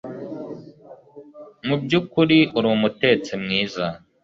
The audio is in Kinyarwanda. Mubyukuri uri umutetsi mwiza